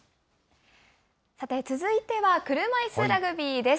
さて続いては車いすラグビーです。